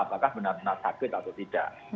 apakah benar benar sakit atau tidak